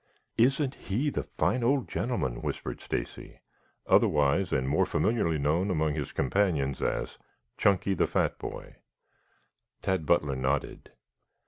"Isn't he the fine old gentleman?" whispered Stacy, otherwise and more familiarly known among his companions as Chunky, the fat boy. Tad Butler nodded.